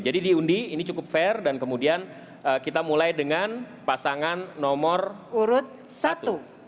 jadi diundi ini cukup fair dan kemudian kita mulai dengan pasangan nomor satu